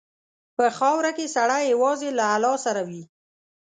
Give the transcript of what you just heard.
په خاوره کې سړی یوازې له الله سره وي.